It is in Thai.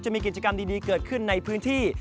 มีกิจกรรมดีเกิดขึ้นในพื้นที่